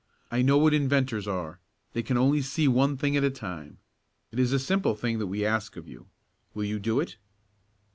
I know what inventors are. They can only see one thing at a time. It is a simple thing that we ask of you. Will you do it?